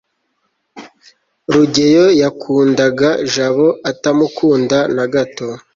rugeyo yakundaga jabo, utamukunda na gato